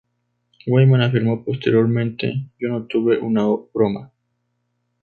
Wyman afirmó posteriormente ""yo no tuve una broma"".